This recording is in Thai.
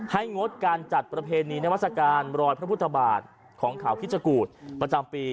ให้งดการจัดประเพณีในศการรอยพระพุทธบาทของข่าวขี้จากูดประจำปี